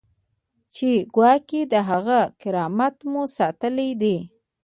چې ګواکې د هغه کرامت مو ساتلی دی.